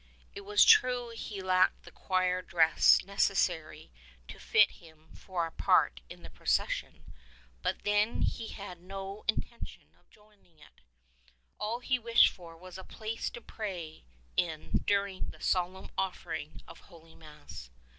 It was true he lacked the choir dress necessary to fit him for a part in the procession; but then he had no intention of joining it: all he wished for was a place to pray in during the solemn offering of Holy Mass.